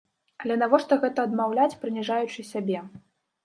Але навошта гэта адмаўляць, прыніжаючы сябе?